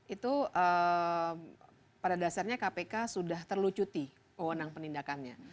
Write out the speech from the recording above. itu pada dasarnya kpk sudah terlucuti wewenang penindakannya